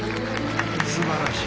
素晴らしい。